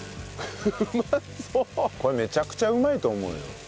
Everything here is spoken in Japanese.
これめちゃくちゃうまいと思うよ。